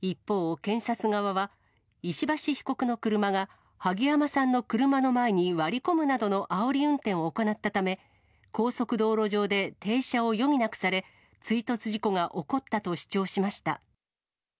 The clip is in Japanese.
一方、検察側は、石橋被告の車が萩山さんの車の前に割り込むなどのあおり運転を行ったため、高速道路上で停車を余儀なくされ、追突事故が起こったと主張しました。